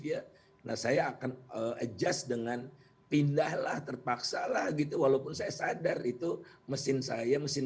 dia nah saya akan adjust dengan pindahlah terpaksalah gitu walaupun saya sadar itu mesin saya mesin